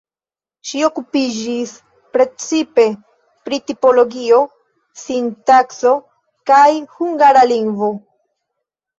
Ŝi okupiĝis precipe pri tipologio, sintakso kaj hungara lingvo.